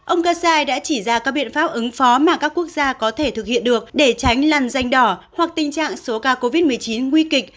ông gaza đã chỉ ra các biện pháp ứng phó mà các quốc gia có thể thực hiện được để tránh lằn danh đỏ hoặc tình trạng số ca covid một mươi chín nguy kịch